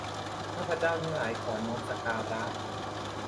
ข้าพเจ้าทั้งหลายขอน้อมสักการะ